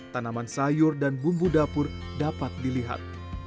tanaman sayur dan bumbu dapur dapat dilihat